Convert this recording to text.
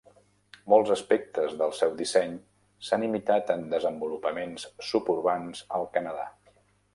Molts aspectes del seu disseny s'han imitat en desenvolupaments suburbans al Canadà.